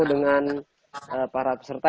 dengan para peserta